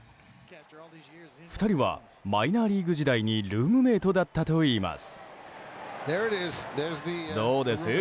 ２人はマイナーリーグ時代にルームメートだったといいます。